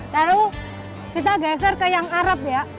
lalu kita geser ke yang arab ya